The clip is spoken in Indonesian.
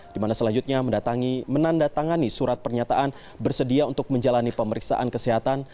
di mana selanjutnya menandatangani surat pernyataan bersedia untuk menjalani pemeriksaan kesehatan